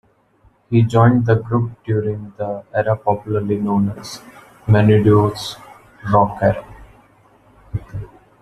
He joined the group during the era popularly known as "Menudo"'s "Rock era".